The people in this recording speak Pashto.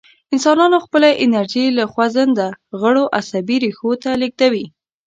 انسانانو خپله انرژي له خوځنده غړو عصبي ریښو ته لېږدوله.